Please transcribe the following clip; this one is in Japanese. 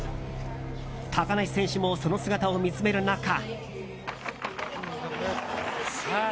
高梨選手もその姿を見つめる中。